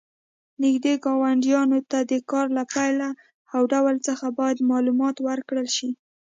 نږدې ګاونډیانو ته د کار له پیل او ډول څخه باید معلومات ورکړل شي.